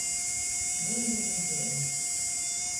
Vēļ vīna dzeive.